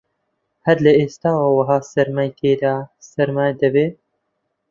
هەر لە ئێستاوە وەها سەرمای تێدا سەرما دەبێ